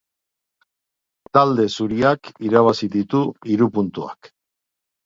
Talde zuriak irabazi ditu hiru puntuak.